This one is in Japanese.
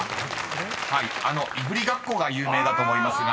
［いぶりがっこが有名だと思いますが］